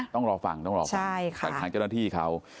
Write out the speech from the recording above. ต้องรอฟังต้องรอฟังจากทางเจ้าหน้าที่เขา